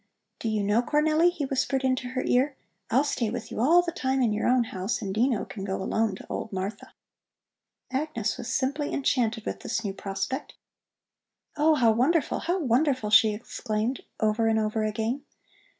"Do you know, Cornelli," he whispered into her ear, "I'll stay with you all the time in your own house and Dino can go alone to old Martha." Agnes was simply enchanted with this new prospect. "Oh, how wonderful, how wonderful!" she exclaimed over and over again.